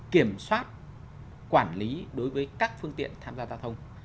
kiểm soát quản lý đối với các phương tiện tham gia giao thông